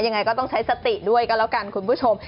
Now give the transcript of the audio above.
ยังไงก็ต้องใช้สติด้วยกันแล้วกันคุณผู้ชม